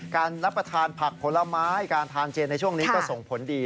รับประทานผักผลไม้การทานเจนในช่วงนี้ก็ส่งผลดี